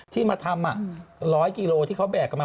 ที่มาทำ๑๐๐กิโลที่เขาแบกกันมา